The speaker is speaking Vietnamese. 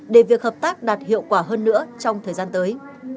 để việc hợp tác đạt hiệu quả hơn nữa trong thời gian tới